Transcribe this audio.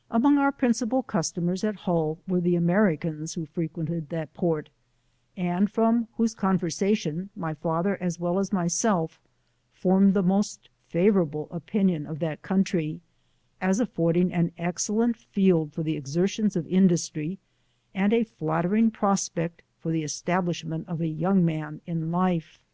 . Among oar principal customers at Hull, were the Americans who frequented that port, and from whose conversation, my father as well as myself formed the most favorable opiDion of that coud 11 try, as affording an excellent field for the exertions of industry, and a flattering prospect for tlie esfab* lishment of a young man iu life.